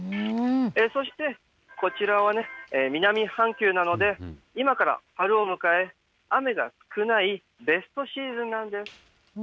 そしてこちらはね、南半球なので、今から春を迎え、雨が少ないベストシーズンなんです。